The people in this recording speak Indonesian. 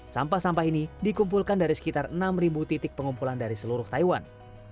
sampah sampah ini dikumpulkan dari sekitar enam titik pengumpulan dari seluruh taiwan